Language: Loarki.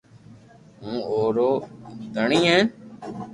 ھون اورو دھڻي ھين